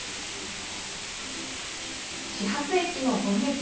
始発駅の五井駅。